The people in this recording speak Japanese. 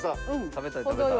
食べたい食べたい。